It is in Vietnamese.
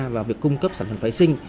vào việc cung cấp sản phẩm phái sinh